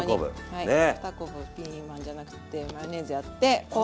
はい２こぶピーマンじゃなくてマヨネーズやってポン酢。